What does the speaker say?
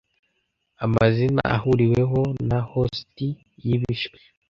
Amazina ahuriweho na Hosti y'ibishwi